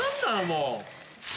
もう。